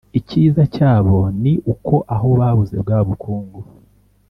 Ikiza cyabo ni uko aho babuze bwa bukungu